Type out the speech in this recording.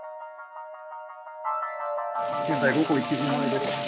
現在午後１時前です。